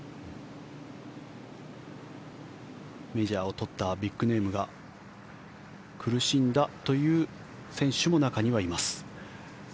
メジャーを取ったビッグネームが苦しんだという選手も中にはいます。